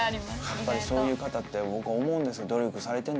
やっぱりそういう方って僕思うんですよ。